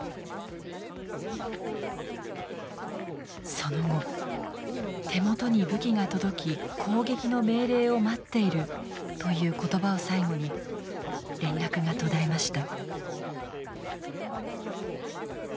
その後手元に武器が届き攻撃の命令を待っているという言葉を最後に連絡が途絶えました。